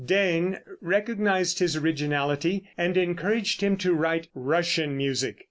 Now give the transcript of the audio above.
Dehn recognized his originality and encouraged him to write "Russian" music.